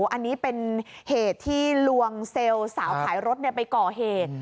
อันนี้เป็นเหตุที่ลวงเซลล์สาวขายรถไปก่อเหตุ